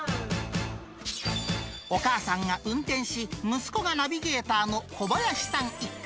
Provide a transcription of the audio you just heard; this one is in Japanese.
お母さんが運転し、息子がナビゲーターの小林さん一家。